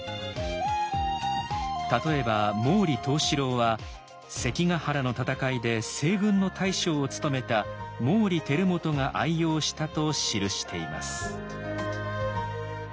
例えば「毛利藤四郎」は関ヶ原の戦いで西軍の大将を務めた毛利輝元が愛用したと記しています。